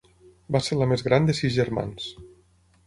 Va ser la més gran de sis germans.